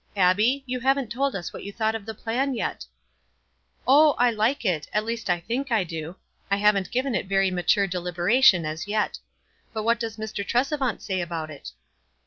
Abbie, you haven't told us what you thought of the plan yet !" "Oh, I like it; at least I think I do. I haven't given it very mature deliberation as yet. But what does Mr. Tresevant say about it?"